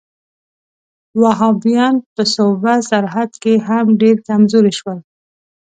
وهابیان په صوبه سرحد کې هم ډېر کمزوري شول.